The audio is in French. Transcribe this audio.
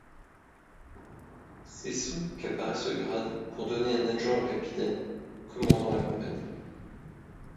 C'est sous qu'apparaît ce grade, pour donner un adjoint au capitaine, commandant la compagnie.